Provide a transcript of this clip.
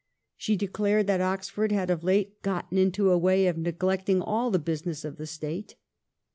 She declared that Oxford had of late got into a way of neglecting all the business of the State.